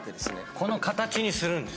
この形にするんです。